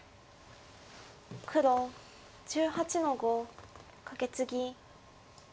黒１８の五カケツギ。